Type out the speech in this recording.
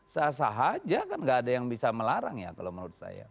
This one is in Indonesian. sah sah aja kan gak ada yang bisa melarang ya kalau menurut saya